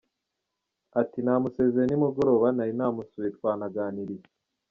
Ati “Namusezeye nimugoroba, nari namusuye twanaganiriye.